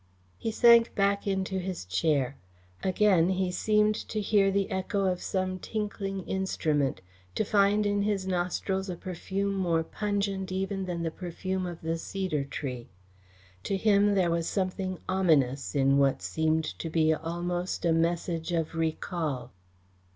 He sank back into his chair. Again he seemed to hear the echo of some tinkling instrument, to find in his nostrils a perfume more pungent even than the perfume of the cedar tree. To him there was something ominous in what seemed to be almost a message of recall.